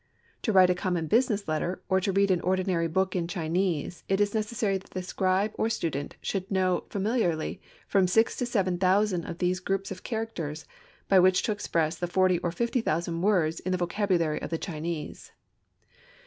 To write a common business letter, or to read an ordinary book in Chinese, it is necessary that the scribe or student should know familiarly from six to seven thousand of these groups of characters by which to express the forty or fifty thousand words in the vocabulary of the Chinese.